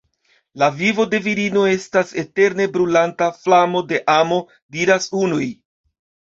La vivo de virino estas eterne brulanta flamo de amo, diras unuj.